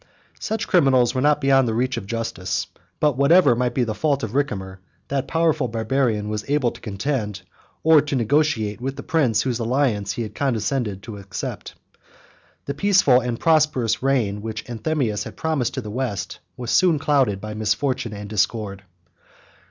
] Such criminals were not beyond the reach of justice; but whatever might be the guilt of Ricimer, that powerful Barbarian was able to contend or to negotiate with the prince, whose alliance he had condescended to accept. The peaceful and prosperous reign which Anthemius had promised to the West, was soon clouded by misfortune and discord.